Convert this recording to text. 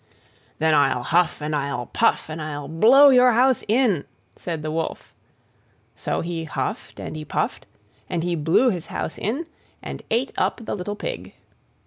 "Then I'll huff and I'll puff, and I'll blow your house in!" said the Wolf. So he huffed, and he puffed, and he blew his house in, and ate up the little Pig.